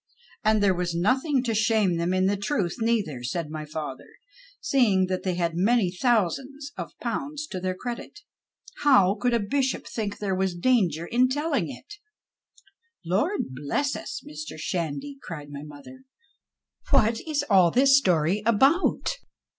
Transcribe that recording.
" And there was nothing to shame them in the truth, neither," said my father, " seeing that they had many thousands of pounds to their credit. How could a bishop think there was danger in telling it ?"" Lord bless us ! Mr. Shandy," cried my mother, " what is all this story about